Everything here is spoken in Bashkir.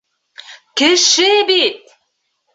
Кеше бит!